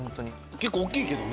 結構大きいけどね。